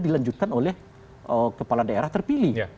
dilanjutkan oleh kepala daerah terpilih